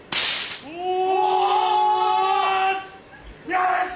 よし！